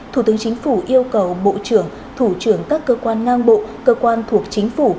thủ tướng chính phủ yêu cầu bộ trưởng thủ trưởng các cơ quan ngang bộ cơ quan thuộc chính phủ